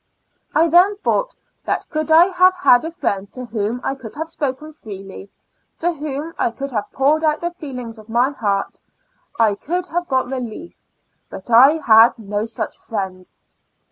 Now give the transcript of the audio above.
I then thought that could I have had a friend to whom I could have spoken freely, to whom I could have poured out the feelings of my heart, I could have got relief, but I had no such friend.